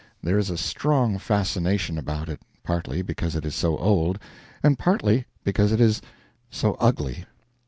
There is a strong fascination about it partly because it is so old, and partly because it is so ugly.